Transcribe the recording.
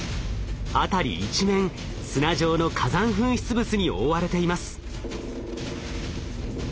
辺り一面砂状の火山噴出物に覆われています。